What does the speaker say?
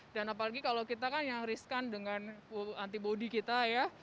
dan apalagi kalau kita kan yang riskan dengan antibody kita ya